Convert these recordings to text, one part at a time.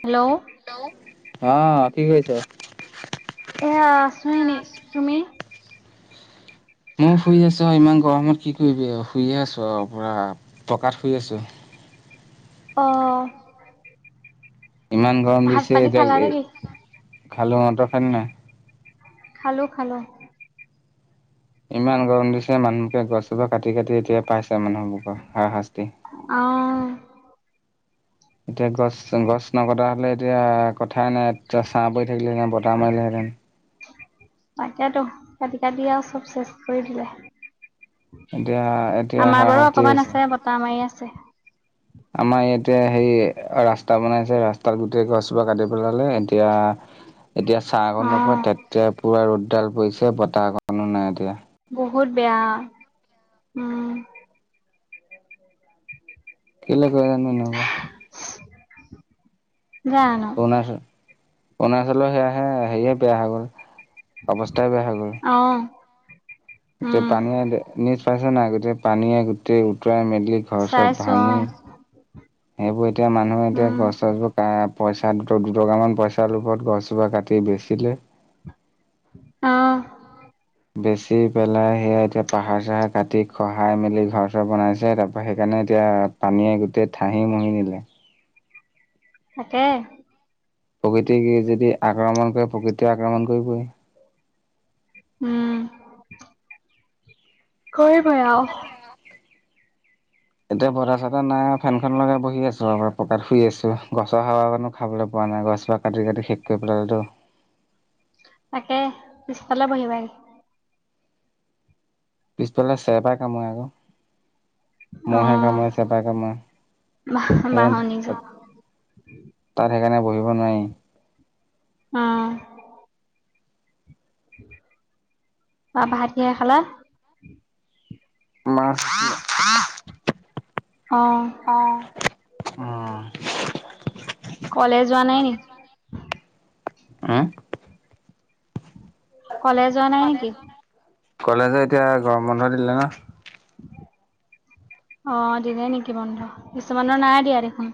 Hello. Hello, অ', কি কৰিছ? এয়া আছোঁ এনেই, তুমি? ময়ো শুই আছোঁ ইমান গৰমত কি কৰিবি আৰু? শুইয়ে আছোঁ আৰু পূৰা পকাত শুই আছোঁ। অ'। ইমান গৰম ভাত দিছে পানী খালা নেকি? এতিয়া [unintelligible] খালোঁ অ', তই খালী নাই? খালোঁ খালোঁ। ইমান গৰম দিছে। মানুহবোৰে গছজোপা কাটি কাটি এতিয়া পাইছে মানুহসোপা হাৰা-শাস্তি। অঁ। এতিয়া গছ গছ নকটা হ'লে এতিয়া কথাই নাই। তেতিয়া ছাঁ পৰি থাকিলেহেঁতেন, বতাহ মাৰিলেহেঁতেন। তাকেটো কাটি কাটিয়ে আও চব চেচ কৰি দিলে। এতিয়া এতিয়া হাৰ আমাৰ বাৰু শাস্তি অকমান হৈছে। আছে। বতাহ মাৰি আছে। আমাৰ ইয়াতে সেই ৰাস্তা বনাইছে। ৰাস্তাৰ গোটেই গছসোপা কাটি পেলালে এতিয়া সঁচাই। এতিয়া ছাঁ অকণ নপৰে। তেতিয়া পুৰা ৰ'দডাল পৰিছে বতাহ অকণো নাই এতিয়া। বহুত বেয়া। উম। কেলে কৰে জানো? এনেকুৱা হাঁহ্ হুঁ, জানো! অৰুণাচল, অৰুণাচলৰ সেয়াহে হেৰিয়ে বেয়া হৈ গ'ল। অৱস্থাই বেয়া হৈ গ'ল। অ উম গোটেই পানীয়ে দে--নিউজ পাইছ নাই? গোটেই পানীয়ে গোটেই উতুৱাই মেলি ঘৰ-চৰ চাইছো অ ভাঙি। সেইবোৰ এতিয়া মানুহে এতিয়া উম গছ - চছবোৰ বা পইচা দুট দুটকামান পইচা লোভত গছজোপা কাটি বেচিলে। অঁহ্। বেছি পেলাই সেয়া এতিয়া পাহাৰ-চাহাৰ কাটি খহাই মেলি ঘৰ-চৰ বনাইছে। তাৰপৰা সেইকাৰণে এতিয়া পানীয়ে গোটেই ঠাহি মুহি নিলে। তাকে। প্ৰকৃতিক যদি আক্ৰমণ কৰে, প্ৰকৃতিয়ে আক্ৰমণ কৰিবই। উম। খহি পৰে আও। এতিয়া বতাহ-চতাহ নাই ফেনখন লগাই বহি আছোঁ। পকাত শুই আছোঁ। গছৰ হাৱা অকনো খাবলে পোৱা নাই। গছজোপাক কাটি কাটি শেষ কৰি পেলালেটো। তাকে, পিছফালে বহিবাহি। পিছফালে চেৰেপাই কামুৰে আক'। অ মহে কামুৰে, চেৰেপাই কামুৰে বাঁহনি যে [unintelligible] তাত সেইকাৰণে বহিব নোৱাৰি। অঁ। ভা ভাত কিহেৰে খালা? মাছ লওঁ। অঁ। অঁ, অঁ, কলেজ যোৱা নাই নি? কলেজ যোৱা নাই নেকি? উম। কলেজ যোৱা নাই নেকি? কলেজ এতিয়া গৰম বন্ধ দিলে ন'? [unintelligible] অঁ, দিলে নেকি বন্ধ? কিছুমানৰ নাই দিয়া দেখোন।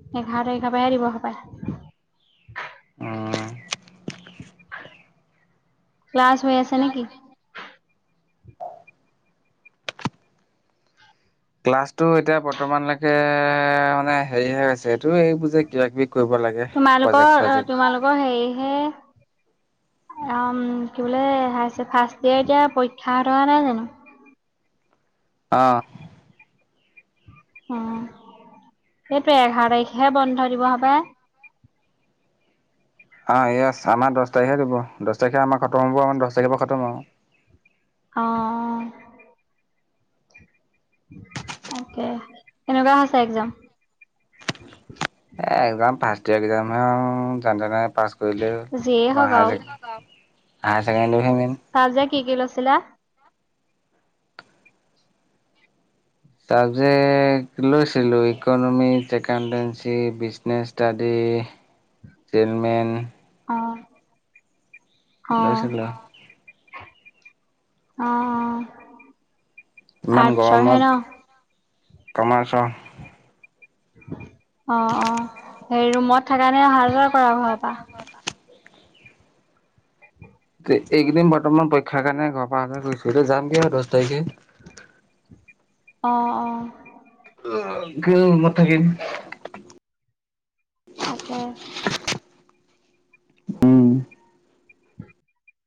এঘাৰ তাৰিখৰ পৰাহে দিব হ। অঁ। ক্লাছ হয় আছে নেকি? ক্লাছটো এতিয়া বৰ্তমানলৈকে মানে, হেৰিহে আছে তোৰ এইবোৰ যে কিবা-কিবি কৰিব লাগে প্ৰজেক্ট-চজেক্ট। অঁ, হেৰিহে। অ উম, কি বোলে? হাই ছে ফাৰ্ষ্ট ইয়েৰ এতিয়া পৰীক্ষা হৈ থকা নাই জানো? অ্ অঁ। সেইটোৱে এঘাৰ তাৰিখেহে বন্ধ দিব হপাই। অ ইয়েছ, আমাৰ দছ তাৰিখে দিব, দছ তাৰিখে আমাৰ খতম হ'ব আমাৰ দছ তাৰিখ পুৰা খতম আৰু। অ তাকে। কেনেকুৱা হৈছে একজাম? এ একজাম ফাৰ্ষ্ট ইয়েৰ একাজাম হে আঔ যেন-তেনে পাছ কৰিলেই হ'ল, যিয়েই হওঁক আমাৰ হাই আৰু। চেক- হাই ছেকেণ্ডেৰীখিনি চাবজেক্ট কি কি লছিলা? চাবজেক্ট লৈছিলো economic, accountancy, business study, salesman অ। অ'। অঁ' লৈছিলোঁ। অঁ '। ইমান গৰমত- কমাৰ্চৰ অ অ, সেই ৰুমত থকা নে অহা যোৱা কৰা ঘৰৰ পা? এ এইকদিন বৰ্তমান পৰীক্ষাৰ কাৰণে ঘৰ পৰা অহা-যাহ কৰিছো- এতা যামগে আউ দছ তাৰিখে। অ অ। কিনো ৰুমত থাকিম। তাকে উম [inaudible]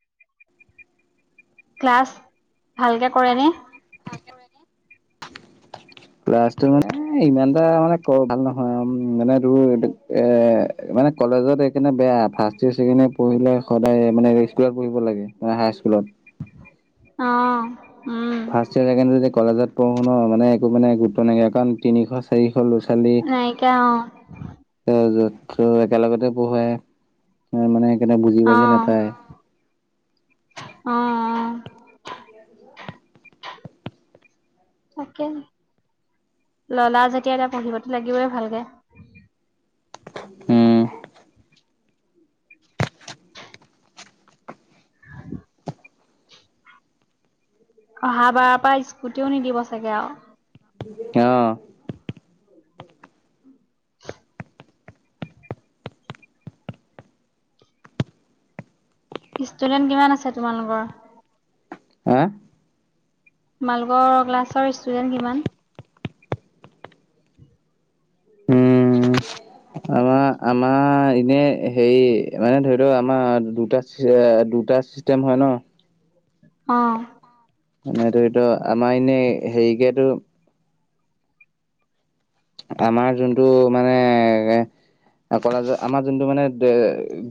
ক্লাছ- ভালকে কৰেনে? কৰেনে? ক্লাছটো মানে ইমান এটা মানে কৰ ভাল নহয় আঔ মানে তোৰ এ মানে কলেজত এইকাৰণে বেয়া ফাৰ্ছ ইয়েৰ, ছেকেণ্ড ইয়েৰ পঢ়িলে সদায় মানে স্কুলত পঢ়িব লাগে- মানে হাই স্কুলত। অ', উম্। [unintelligible] যদি কলেজত পঢ়ো ন, মানে একো মানে গুৰুত্ব নাইকিয়া কাৰণ তিনিশ চাৰিশ ল'-ছোৱালী নাইকিয়া অ যত ত একেলগতে পহোৱাই, এ মানে সেইকাৰণে বুজি অ'। বাজি নাপায় অ' অ'। তাকে। ল'লা যেতিয়া এতিয়া পঢ়িবতো লাগিবই ভালকে। উম্। অহা বাৰৰ পৰা স্কুটিও নিদিব চাগে আঔ। অ'। [inaudible] ষ্টুডেণ্ট কিমান আছে তোমালোকৰ? হা তোমালোকৰ ক্লাছৰ ষ্টুডেণ্ট কিমান? আমা-আমাৰ আ এনে হেৰি মানে ধৰি ল আমাৰ দুটা এ দুটা চিষ্টেম হয় ন' অঁ'। মানে ধৰি ত আমাৰ এনেই হেৰিকে টো আমাৰ যোনটো মানে কলেজৰ আমাৰ যোনটো মানে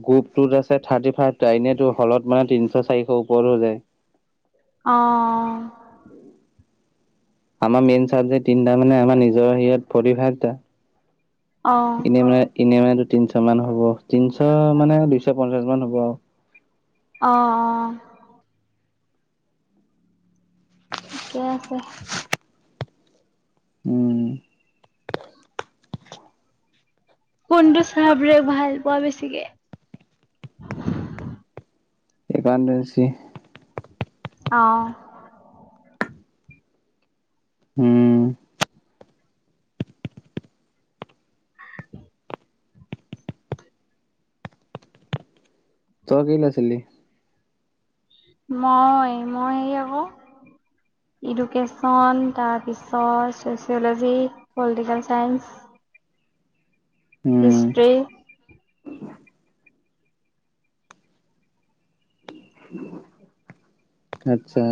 গ্ৰুপ টোত আছে থাৰ্টি ফাইভ টা, এনে তোৰ হলত মানে তিন'চ-চাৰি ওপৰ হ যায়। অ্ঁ আমাৰ মেইন চাবজেক্ট তিনিটা মানে আমাৰ নিজৰ হেইয়ত ফৰ্টি ফাইভতা। এনে অ মানে এনে মানেটো তিনিশ মান হ'ব তিনশ মানে দুইশ পঞ্চাশ মান হ'ব আৰু। অ অ। ঠিকে আছে। উম। কোনটো চাবজেক্ট ভাল পোৱা বেছিকে? একাউণ্টেঞ্চি। অ'। উম। তই কি লৈছিলি? মই মই হে আক। ইডুকেশ্যন তাৰপিছত ছ'চিয়'লজি। Political science. উম হিষ্ট্ৰী। আচ্ছা।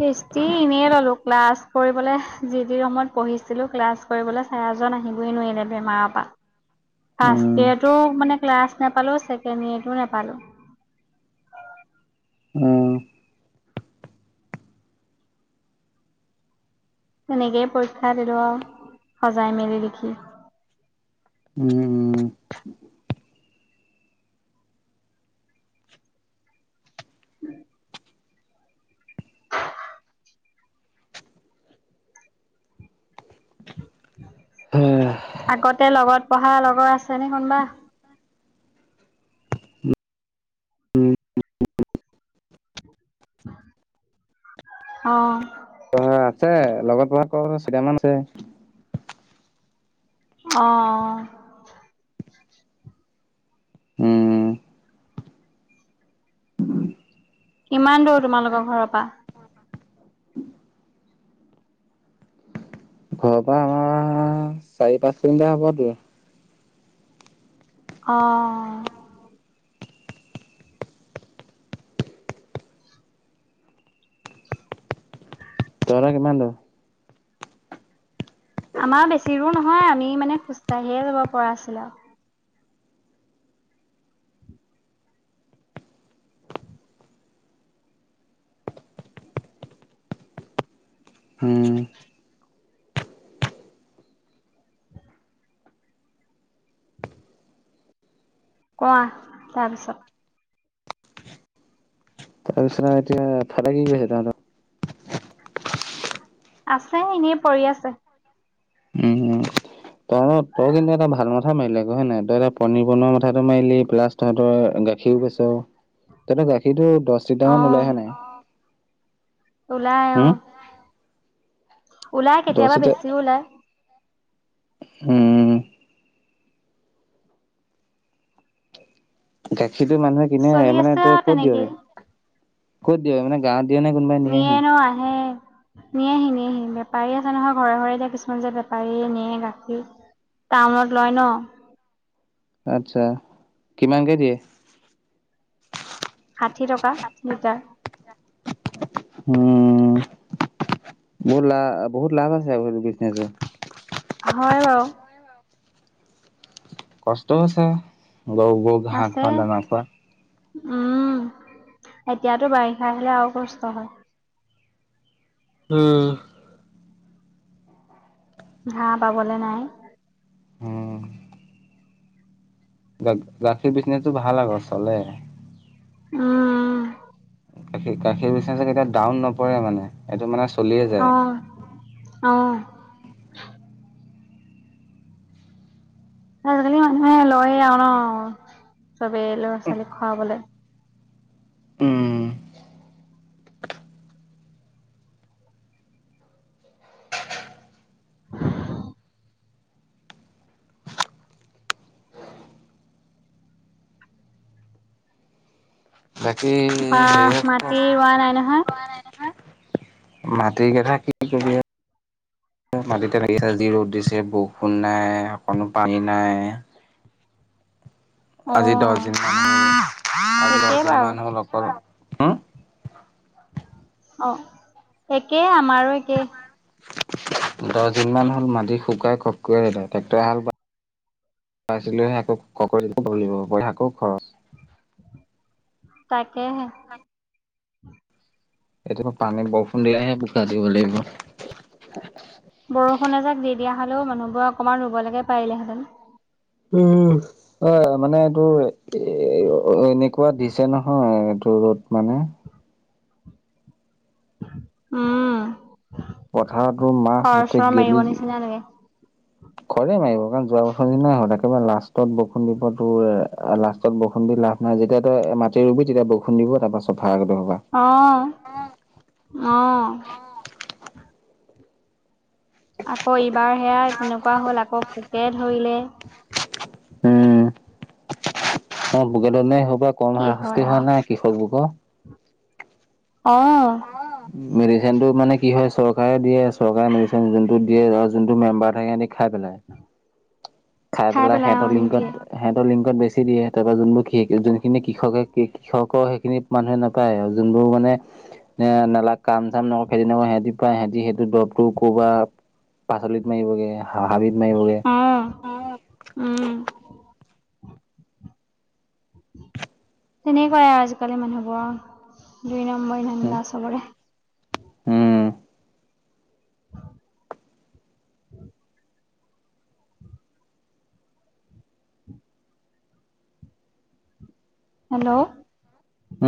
হিষ্ট্ৰী এনেই ললো ক্লাছ কৰিবলৈ যি যি ৰুমত পঢ়িছিলোঁ ক্লাছ্। কৰিবলৈ চাৰজন আহিবই নোৱাৰিলে বেমাৰৰ পৰা। ফাৰ্ষ্ট উম ইয়েৰটো মানে ক্লাছ নাপালো ছেকেণ্ড ইয়েৰতটো নাপালো। উম তেনেকেই পৰীক্ষাত দিলোৱা আ সজাই মেলি দেখি। উম উম। উম। আগতে লগত পঢ়া লগৰ আছে নি কোনোবা। অ। অ আছে লগত ধৰা চিটামান আছে। অ। উম। কিমান দূৰ তোমালোকৰ ঘৰৰ পৰা। ঘৰৰ পৰা অহা চাৰি পাঁচ দিন হ'ব তোৰ। অ। তৰা কিমান দূৰ। আমাৰ বেছি দূৰ নহয় আমি মানে খোজকাঢ়িয়ে যাব পৰা আছিলো। হম। কোৱা তাৰপিছত। তাৰপিছ আৰু এতিয়া ফাদাৰ কি কৈছে তাহাঁতৰ। আছে এনেই পৰি আছে। উম উম। তই তই কিন্তু এটা ভাল মথা মাৰিলে কৈ হয় নাই তই এটা পনীৰ বনোৱা মথাটো মিলি প্লাচ তহঁতৰ। সি গৈছ তহতৰ গাখীৰতটো দহ লিটাৰ মান ওলাই অ', আহে নাই। ওলাই অ। হুম, ওলাই দহ কেতিয়াবা লিটাৰ বেছিও ওলায়। উম। গাখীৰতটো মানুহে কিনে নাই চলি মানে আছে তই আৰু ক'ত দিয়গে তেনেকেই ক'ত দিয়ে মানে গাঁৱত। দিয়ে নে কোনোবাই নিঅ নিয়েহি? নে আহে। নিয়েহি নিয়েহি বেপাৰী আছে নহয় ঘৰে ঘৰে এতিয়া কিছুমান যে বেপাৰী নিয়ে গাখীৰ। টাউনত লয় ন। আতছা কিমান কে দিয়ে। ষাঠি টকা লিটাৰ। উম বহুত লা বহুত লাভ আছে আকৌ বিজনেচ। হয় বাৰু। কষ্টও আছে গৰু গৰু ঘাঁহ আছে খোৱা দানা খোৱা। উম এতিয়াতো বাৰিষা আহিলে আৰু কষ্ট হয়। উম হাঁহ পাবলে নাই। উম। গা গাখীৰ বিজনেচটো ভাল আক চলে। উম উম। গাখী গাখীৰ বিজনেছ কেতিয়া ডাউন নপৰে মানে এইটো মানে চলিয়ে যায়। অহ। আজিকালি মানুহে লয় আও ন চবেই ল'ৰা ছোৱালীক খুৱাবলে। উম। অ [unintelligible] বাকী বা মাটি ৰোৱা নাই নহয়। বাহ নাই দেখা মাটিৰ কথা কি কি মাটিতে লাগি যি ৰ'দ দিছে বৰষুণ নাই অকনো পানী নাই। অ আজি দচ দিন মান হল আজি দচ একেই দিন বাৰু মান হল অকল। হম, অ একেই আমাৰো একেই। দচ দিন মান হ'ল মাটি শুকাই কৰ্কৰীয়া হৈ গল ট্ৰেক্টৰ হাল বা বাইছিলোহে আকৌ কৰ্কৰীয়া আকৌ খৰচ তাকেহে হয় কেতিয়াবা পানীত বৰষুণ দিলাহে বোকা দিব লাগিব। বৰষুণ এজাক দি দিয়া হ'লেও মানুহবোৰ অকণমান ৰুব লেকে পাৰিলেহেঁতেন। উম হয় মানে এইটো। এ এনেকুৱা দিছে নহয় এইটো ৰ'দ মানে উম পথাৰতো মাছ খৰ গোটেই চৰৰ মাৰিব নিচিনা লাগে। ঘৰেই মাৰিব কাৰণ যোৱা বছৰ নিচিনাই হৈ থাকে। একেবাৰে লাষ্টত বৰষুণ দিব তোৰ লাষ্টত বৰষুণ দি লাভ নাই যেতিয়া তই মাটি ৰুবি তেতিয়া বৰষুণ দিব তাৰপাছ। কথা আগতো ভাবা। অহ অহ। আকৌ ইবাৰ সেয়া তেনেকুৱা হ'ল আকৌ পোকে ধৰিলে অহ পোকে ধৰিলে সেইহোপা কম কি হয় হাৰাশাস্তি হোৱা আৰু নাই কৃষক লোকৰ। অঁহ। অহ মেডিচিন টো মানে কি হয় চৰকাৰে দিয়ে আছে। চৰকাৰে মেডিচিন যোনটো দিয়ে ধৰা যোনটো মেম্বাৰ থাকে হেতি খাই পেলাই। খাই পেলাই সিহঁতৰ লিংকত। হেত লিংকত বেছি দিয়ে তাৰপৰা যোনবোৰ যোনখিনি কৃষকে। কৃষক সেইখিনিত মানুহে নাপায় আৰু যোনবোৰ মানে নে নালাগা কাম চাম নকৰে খেতি নকৰে সিহঁতি পায় সিহঁতি সেইটো দৰপটো কবা পাচলিত। মাৰিবগে হ হাবিত মাৰিব গে। অহ উম তেনেকুৱাই আৰু আজিকালি মানুহবোৰ আৰু দুই নম্বৰি উম ধান্দা চবৰে। উম হেল্ল'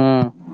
উম